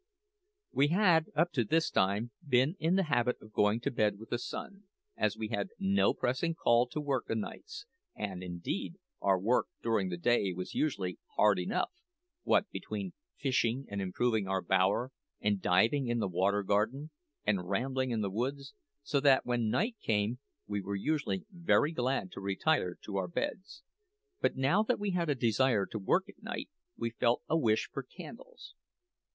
We had, up to this time, been in the habit of going to bed with the sun, as we had no pressing call to work o' nights; and, indeed, our work during the day was usually hard enough what between fishing, and improving our bower, and diving in the Water Garden, and rambling in the woods so that when night came we were usually very glad to retire to our beds. But now that we had a desire to work at night, we felt a wish for candles.